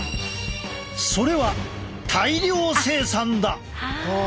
それは大量生産だ！